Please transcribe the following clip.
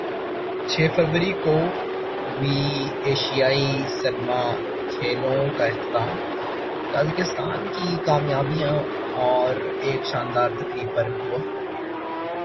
چھ فروری کو ویں ایشیائی سرما کھیلوں کا اختتام قازقستان کی کامیابیوں اور ایک شاندار تقریب پر ہوا